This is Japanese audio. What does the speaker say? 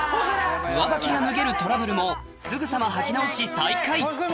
上履きが脱げるトラブルもすぐさま履き直し再開